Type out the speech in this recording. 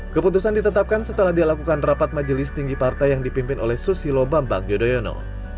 keputusan ditetapkan setelah dilakukan rapat majelis tinggi partai yang dipimpin oleh susilo bambang yudhoyono